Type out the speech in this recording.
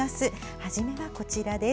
初めは、こちらです。